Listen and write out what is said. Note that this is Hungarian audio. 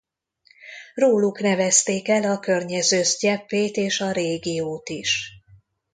Róluk nevezték el a környező sztyeppét és a régiót is.